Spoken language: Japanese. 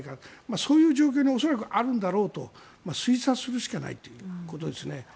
そういう状況に恐らくあるんだろうと推察するしかないということですね。